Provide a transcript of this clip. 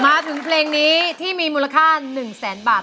มาถึงเพลงนี้ที่มีมูลค่า๑แสนบาท